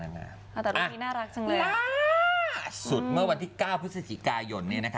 ล่าสุดเมื่อวันที่๙พฤศจิกายน